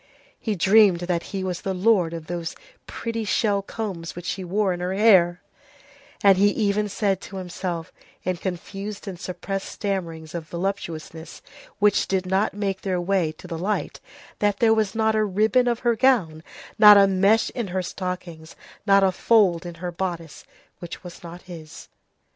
He dreamed that he was the lord of those pretty shell combs which she wore in her hair, and he even said to himself, in confused and suppressed stammerings of voluptuousness which did not make their way to the light, that there was not a ribbon of her gown, not a mesh in her stockings, not a fold in her bodice, which was not his.